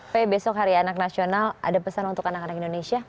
pey besok hari anak nasional ada pesan untuk anak anak indonesia